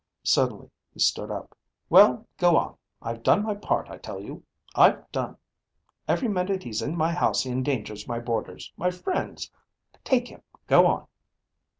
Suddenly he stood up. "Well, go on. I've done my part, I tell you. I've done. Every minute he's in my house he endangers my boarders, my friends. Take him. Go on."